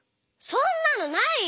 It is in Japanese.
そんなのないよ！